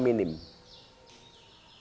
kesempatan mereka minim